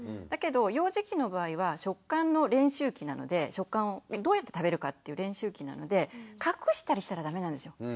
だけど幼児期の場合は食感の練習期なのでどうやって食べるかっていう練習期なので隠したりしたらダメなんですよ。